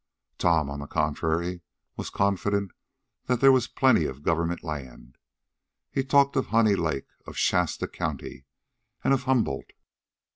Tom, on the contrary, was confident that there was plenty of government land. He talked of Honey Lake, of Shasta County, and of Humboldt.